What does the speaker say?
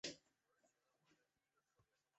贞丰蹄盖蕨为蹄盖蕨科蹄盖蕨属下的一个种。